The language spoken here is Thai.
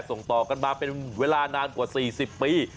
ส่งต่อกันมาเป็นเวลานานกว่า๔๐ปี